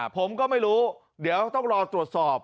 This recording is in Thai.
ผมก็ไม่รู้เดี๋ยวต้องรอตรวจสอบ